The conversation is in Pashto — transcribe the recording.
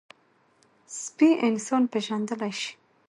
سپي انسان پېژندلی شي.